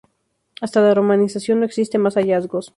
Hasta la romanización no existen más hallazgos.